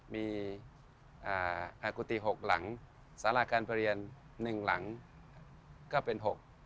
มีกุฏิ๖หลังสาราการประเรียน๑หลังก็เป็น๖